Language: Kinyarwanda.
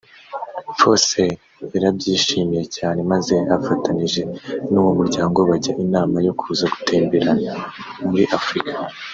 Fossey yarabyishimiye cyane maze afatanije n’uwo muryango bajya inama yo kuza gutemberera muri Africa